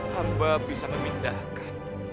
hamba bisa memindahkan